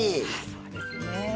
そうですね。